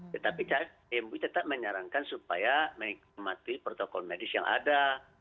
tetapi mui tetap menyarankan supaya mengikuti protokol medis yang ada